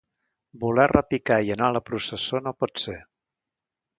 Voler repicar i anar a la processó no pot ser.